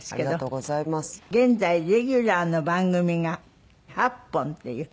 現在レギュラーの番組が８本っていう。